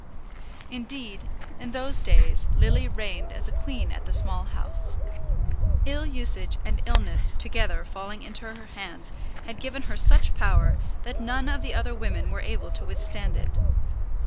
Indeed, in those days Lily reigned as a queen at the Small House. Ill usage and illness together falling into her hands had given her such power, that none of the other women were able to withstand it.